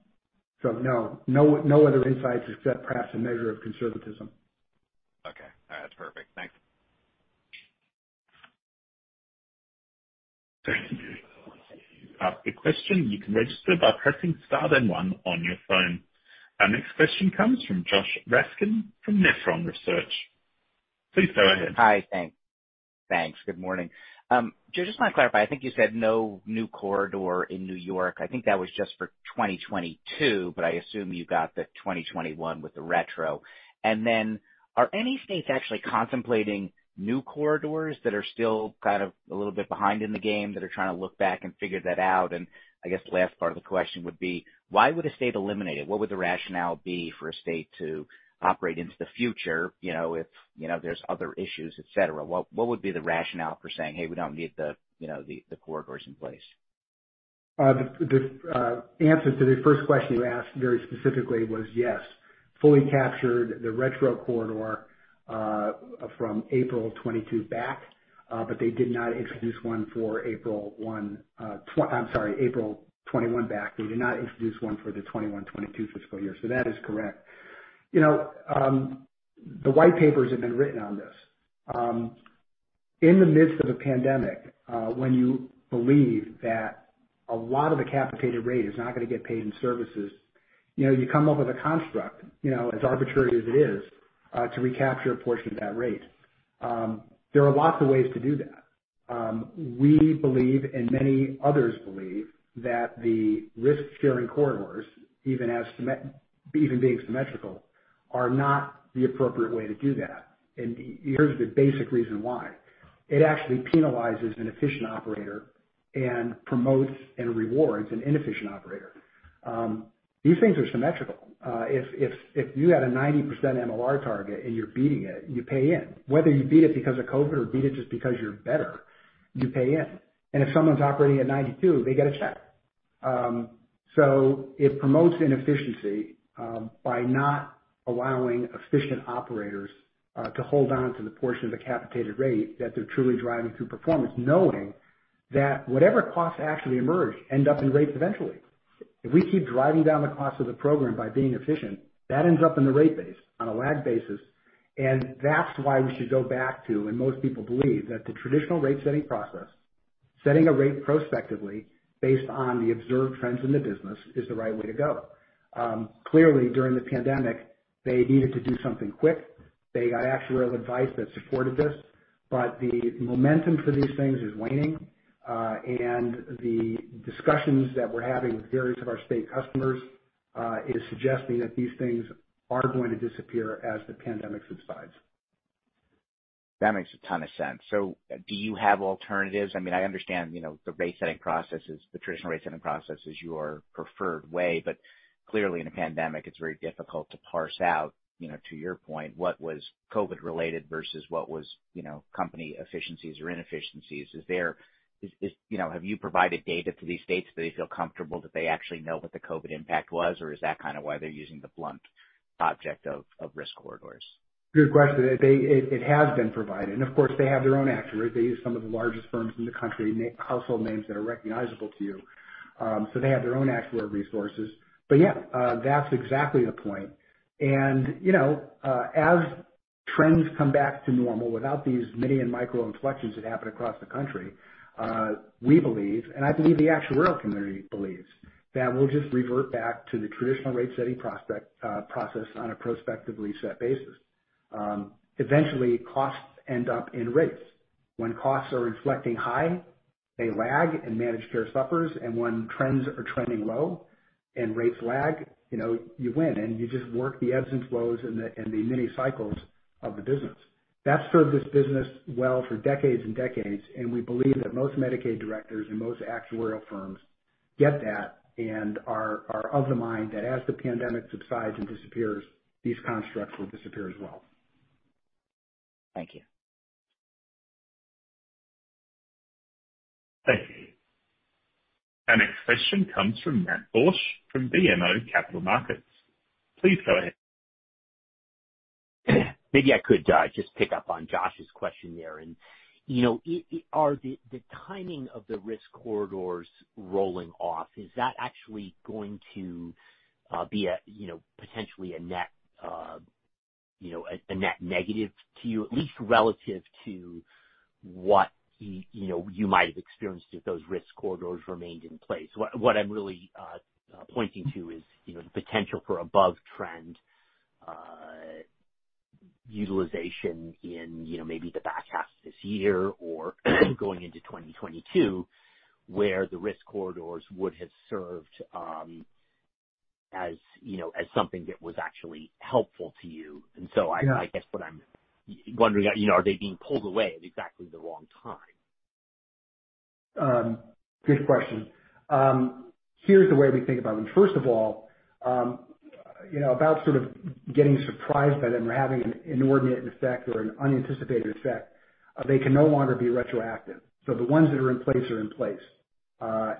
other insights except perhaps a measure of conservatism. Okay. All right. That's perfect. Thanks. Thank you. To ask a question, you can register by pressing star then one on your phone. Our next question comes from Josh Raskin from Nephron Research. Please go ahead. Hi. Thanks. Good morning. Joe, just want to clarify, I think you said no new corridor in New York. I think that was just for 2022, but I assume you got the 2021 with the retro. Are any states actually contemplating new corridors that are still kind of a little bit behind in the game that are trying to look back and figure that out? I guess the last part of the question would be, why would a state eliminate it? What would the rationale be for a state to operate into the future if there's other issues, et cetera? What would be the rationale for saying, "Hey, we don't need the corridors in place? The answer to the first question you asked very specifically was yes, fully captured the retro corridor from April 2022 back. They did not introduce one for April 2021 back. They did not introduce one for the 2021-2022 fiscal year. That is correct. The white papers have been written on this. In the midst of a pandemic, when you believe that a lot of the capitated rate is not going to get paid in services, you come up with a construct, as arbitrary as it is, to recapture a portion of that rate. There are lots of ways to do that. We believe, and many others believe, that the risk-sharing corridors, even being symmetrical, are not the appropriate way to do that. Here's the basic reason why. It actually penalizes an efficient operator and promotes and rewards an inefficient operator. These things are symmetrical. If you had a 90% MLR target and you're beating it, you pay in. Whether you beat it because of COVID or beat it just because you're better, you pay in. If someone's operating at 92%, they get a check. It promotes inefficiency by not allowing efficient operators to hold on to the portion of the capitated rate that they're truly driving through performance, knowing that whatever costs actually emerge end up in rates eventually. If we keep driving down the cost of the program by being efficient, that ends up in the rate base on a lagged basis, that's why we should go back to, and most people believe, that the traditional rate-setting process, setting a rate prospectively based on the observed trends in the business, is the right way to go. Clearly, during the pandemic, they needed to do something quick. They got actuarial advice that supported this. The momentum for these things is waning. The discussions that we're having with various of our state customers is suggesting that these things are going to disappear as the pandemic subsides. That makes a ton of sense. Do you have alternatives? I understand the traditional rate-setting process is your preferred way, but clearly in a pandemic, it's very difficult to parse out, to your point, what was COVID related versus what was company efficiencies or inefficiencies. Have you provided data to these states? Do they feel comfortable that they actually know what the COVID impact was, or is that kind of why they're using the blunt object of risk corridors? Good question. It has been provided. Of course, they have their own actuary. They use some of the largest firms in the country, household names that are recognizable to you. They have their own actuary resources. Yeah, that's exactly the point. As trends come back to normal without these mini and micro inflections that happen across the country, we believe, and I believe the actuarial community believes, that we'll just revert back to the traditional rate-setting process on a prospectively set basis. Eventually, costs end up in rates. When costs are inflecting high. They lag and managed care suffers. When trends are trending low and rates lag, you win. You just work the ebbs and flows and the mini cycles of the business. That served this business well for decades and decades, and we believe that most Medicaid directors and most actuarial firms get that and are of the mind that as the pandemic subsides and disappears, these constructs will disappear as well. Thank you. Thank you. Our next question comes from Matt Borsch from BMO Capital Markets. Please go ahead. Maybe I could just pick up on Josh's question there. Are the timing of the risk corridors rolling off, is that actually going to be potentially a net negative to you, at least relative to what you might have experienced if those risk corridors remained in place? What I am really pointing to is the potential for above-trend utilization in maybe the back half of this year or going into 2022, where the risk corridors would have served as something that was actually helpful to you. Yeah. Guess what I'm wondering, are they being pulled away at exactly the wrong time? Good question. Here's the way we think about them. First of all, about sort of getting surprised by them or having an inordinate effect or an unanticipated effect, they can no longer be retroactive. The ones that are in place are in place.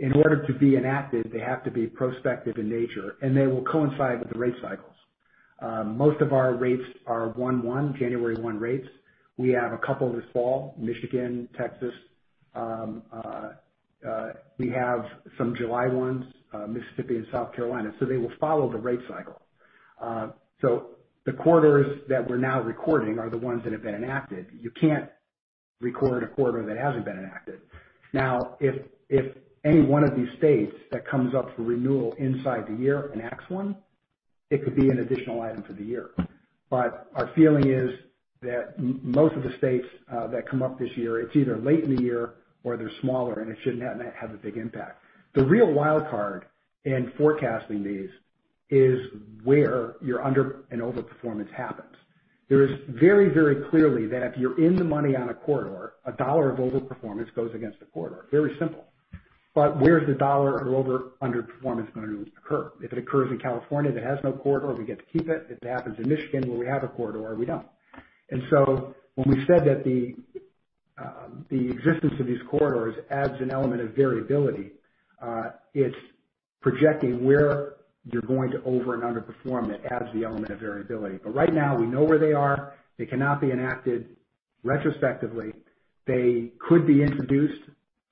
In order to be enacted, they have to be prospective in nature, and they will coincide with the rate cycles. Most of our rates are one one, January 1 rates. We have a couple this fall, Michigan, Texas. We have some July 1s, Mississippi and South Carolina. They will follow the rate cycle. The quarters that we're now recording are the ones that have been enacted. You can't record a quarter that hasn't been enacted. Now, if any one of these states that comes up for renewal inside the year enacts one, it could be an additional item for the year. Our feeling is that most of the states that come up this year, it's either late in the year or they're smaller, and it shouldn't have a big impact. The real wild card in forecasting these is where your under and over-performance happens. There is very, very clearly that if you're in the money on a corridor, a $1 of over-performance goes against a corridor. Very simple. Where's the $1 of over, under-performance going to occur? If it occurs in California, that has no corridor, we get to keep it. If it happens in Michigan, where we have a corridor, we don't. When we said that the existence of these corridors adds an element of variability, it's projecting where you're going to over and underperform that adds the element of variability. Right now, we know where they are. They cannot be enacted retrospectively. They could be introduced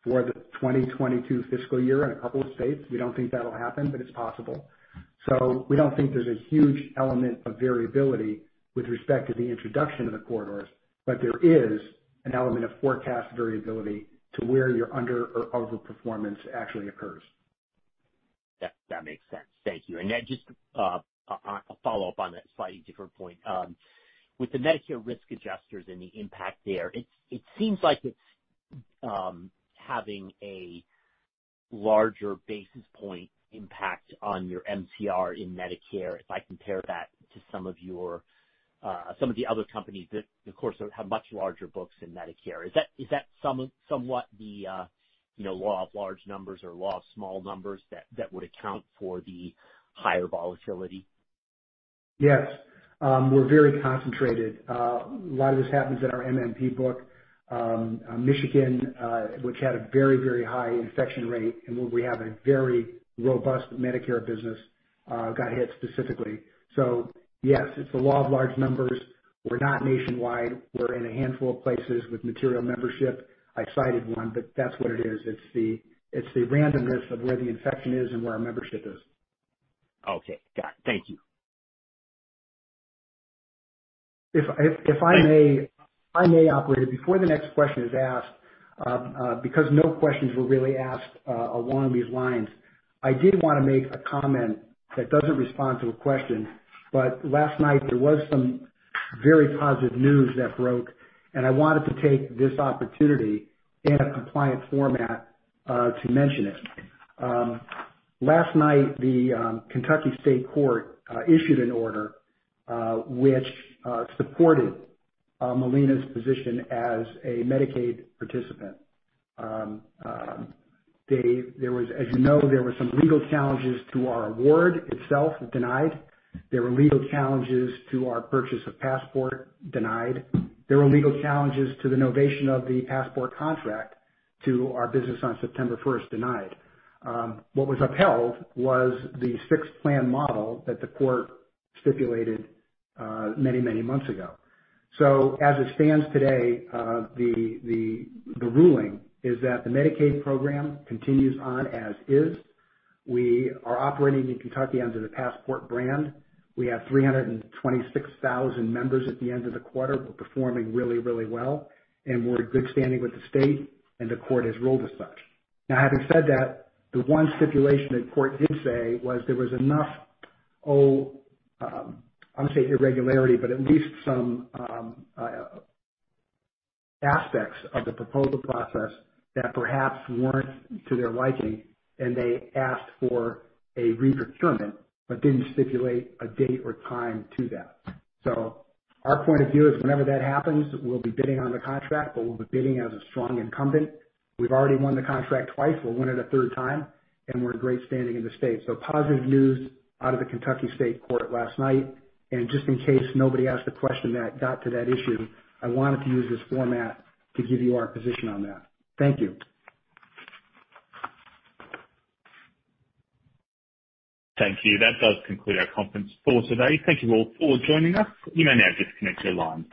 for the 2022 fiscal year in a couple of states. We don't think that'll happen, but it's possible. We don't think there's a huge element of variability with respect to the introduction of the corridors, but there is an element of forecast variability to where your under or overperformance actually occurs. That makes sense. Thank you. Then just a follow-up on that slightly different point. With the Medicare risk adjusters and the impact there, it seems like it is having a larger basis point impact on your MCR in Medicare if I compare that to some of the other companies that, of course, have much larger books than Medicare. Is that somewhat the law of large numbers or law of small numbers that would account for the higher volatility? Yes. We're very concentrated. A lot of this happens in our MMP book. Michigan, which had a very, very high infection rate and where we have a very robust Medicare business, got hit specifically. Yes, it's the law of large numbers. We're not nationwide. We're in a handful of places with material membership. I cited one, but that's what it is. It's the randomness of where the infection is and where our membership is. Okay. Got it. Thank you. If I may, operator, before the next question is asked, because no questions were really asked along these lines, I did want to make a comment that doesn't respond to a question. Last night there was some very positive news that broke, and I wanted to take this opportunity in a compliant format, to mention it. Last night, the Kentucky State Court issued an order, which supported Molina's position as a Medicaid participant. As you know, there were some legal challenges to our award itself, denied. There were legal challenges to our purchase of Passport, denied. There were legal challenges to the novation of the Passport contract to our business on September 1st, denied. What was upheld was the fixed plan model that the court stipulated many, many months ago. As it stands today, the ruling is that the Medicaid program continues on as is. We are operating in Kentucky under the Passport brand. We have 326,000 members at the end of the quarter. We're performing really well, and we're in good standing with the state, and the court has ruled as such. Having said that, the one stipulation the court did say was there was enough, I won't say irregularity, but at least some aspects of the proposal process that perhaps weren't to their liking, and they asked for a re-procurement but didn't stipulate a date or time to that. Our point of view is whenever that happens, we'll be bidding on the contract, but we'll be bidding as a strong incumbent. We've already won the contract twice. We'll win it a third time, and we're in great standing in the state. Positive news out of the Kentucky State Court last night. Just in case nobody asked a question that got to that issue, I wanted to use this format to give you our position on that. Thank you. Thank you. That does conclude our conference call today. Thank you all for joining us. You may now disconnect your lines.